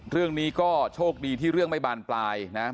เรื่องนี้ก็โชคดีที่เรื่องไม่บานปลายนะครับ